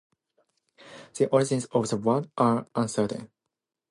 The origins of the word are uncertain.